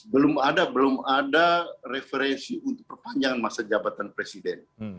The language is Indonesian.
belum ada belum ada referensi untuk perpanjangan masa jabatan presiden